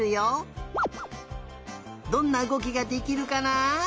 どんなうごきができるかな？